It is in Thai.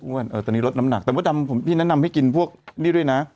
วันนี้รสน้ำหนักแต่พี่แนะนำให้กินนี่ด้วยนะ